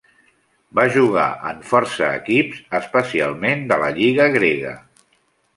Va jugar en força equips, especialment de la Lliga grega.